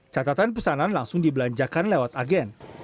catatan pesanan langsung dibelanjakan lewat agen